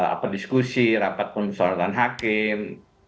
apa diskusi rapat konsultan hakim